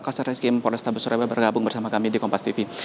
kastar rizky mpornesta besoreba bergabung bersama kami di kompastv